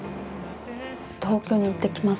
東京に行ってきます。